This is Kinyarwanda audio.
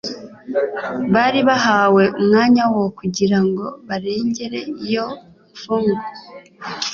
Bari bahawe umwanya wo kugira ngo barengere iyo mfungwa.